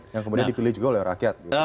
yang kemudian dipilih juga oleh rakyat